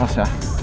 kepalanya yang aus